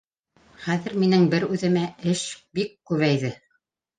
Хәҙер минең бер үҙемә эш бик күбәйҙе.